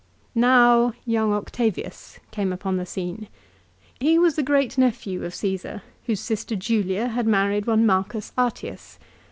Now young Octavius came upon the scene. He was the great nephew of Caesar, whose sister Julia had married one Marcus Atius.